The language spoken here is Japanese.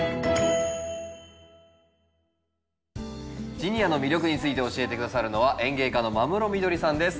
ジニアの魅力について教えて下さるのは園芸家の間室みどりさんです。